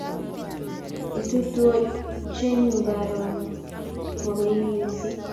Itu tuochenyun karon mogoike missing'.